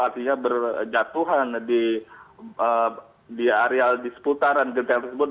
artinya berjatuhan di areal di seputaran genteng tersebut